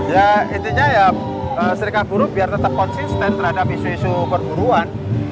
ya intinya ya serikat buruh biar tetap konsisten terhadap isu isu perburuan